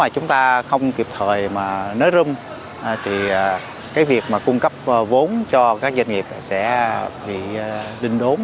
chúng ta không kịp thời mà nới râm thì cái việc mà cung cấp vốn cho các doanh nghiệp sẽ bị đinh đốn